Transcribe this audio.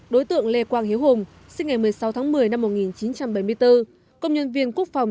đối tượng lê quang hiếu hùng sinh ngày một mươi sáu tháng một mươi năm một nghìn chín trăm bảy mươi bốn công nhân viên quốc phòng